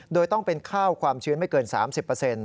โดยต้องเป็นข้าวความชื้นไม่เกิน๓๐เปอร์เซ็นต์